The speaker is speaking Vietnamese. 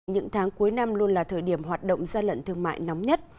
những tháng cuối năm luôn là thời điểm hoạt động gian lận thương mại nóng nhất